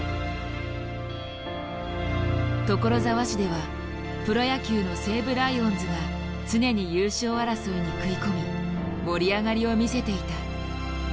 所沢市ではプロ野球の西武ライオンズが常に優勝争いに食い込み盛り上がりを見せていた。